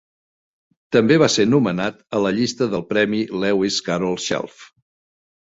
També va ser nomenat a la llista del Premi Lewis Carroll Shelf.